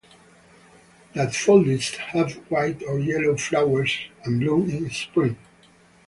Daffodils have white or yellow flowers and bloom in spring.